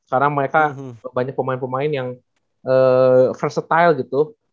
karena mereka banyak pemain pemain yang versatile gitu